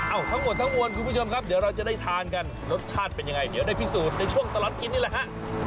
เอาทั้งหมดทั้งมวลคุณผู้ชมครับเดี๋ยวเราจะได้ทานกันรสชาติเป็นยังไงเดี๋ยวได้พิสูจน์ในช่วงตลอดกินนี่แหละฮะ